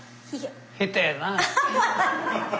下手やな。